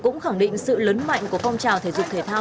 cũng khẳng định sự lớn mạnh của phong trào thể dục thể thao